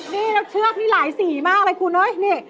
นี่แล้วเชือกนี่หลายสีมากเลยคุณเอ้ยนี่